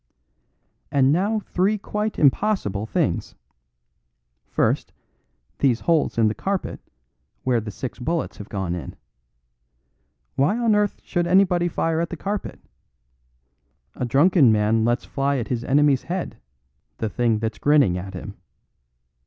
"And now three quite impossible things. First, these holes in the carpet, where the six bullets have gone in. Why on earth should anybody fire at the carpet? A drunken man lets fly at his enemy's head, the thing that's grinning at him.